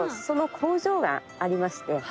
その工場がありまして。